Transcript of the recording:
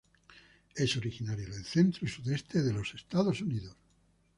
Es originaria del centro y sudeste de los Estados Unidos.